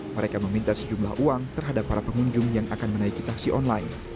mereka meminta sejumlah uang terhadap para pengunjung yang akan menaiki taksi online